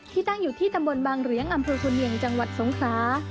ตั้งอยู่ที่ตำบลบางเหรียงอำเภอคุณเนียงจังหวัดสงครา